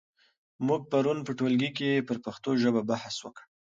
موږ پرون په ټولګي کې پر پښتو ژبه بحث وکړ.